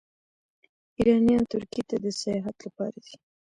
ایرانیان ترکیې ته د سیاحت لپاره ځي.